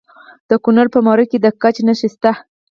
د کونړ په مروره کې د ګچ نښې شته.